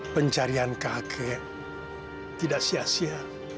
pencarian kakek tidak sia sia